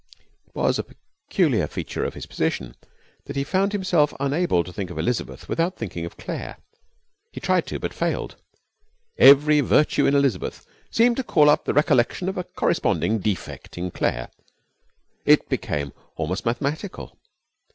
It was a peculiar feature of his position that he found himself unable to think of Elizabeth without thinking of Claire. He tried to, but failed. Every virtue in Elizabeth seemed to call up the recollection of a corresponding defect in Claire. It became almost mathematical.